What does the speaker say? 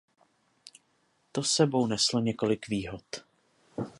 To s sebou neslo několik výhod.